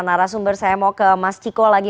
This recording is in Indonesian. narasumber saya mau ke mas ciko lagi